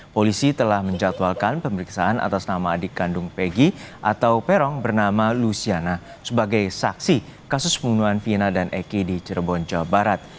polisi telah menjatuhalkan pemeriksaan atas nama adik kandung pegi atau peron bernama luciana sebagai saksi kasus pembunuhan viena dan eke di cirebon jawa barat